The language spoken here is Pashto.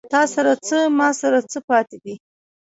تاســـره څـــه، ما ســـره څه پاتې دي